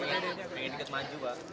pengen ikut maju pak